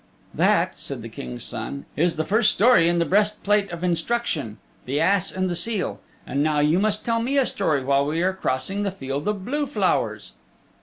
"That," said the King's Son, "is the first story in 'The Breastplate of Instruction,' 'The Ass and the Seal.' And now you must tell me a story while we are crossing the field of blue flowers."